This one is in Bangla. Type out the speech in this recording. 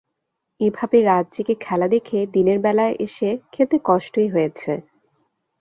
এভাবে রাত জেগে খেলা দেখে দিনের বেলায় এসে খেলতে কষ্টই হয়েছে।